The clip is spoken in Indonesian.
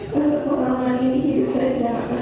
pada peralangan ini hidup saya tidak akan